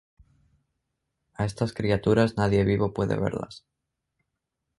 A estas criaturas nadie vivo puede verlas.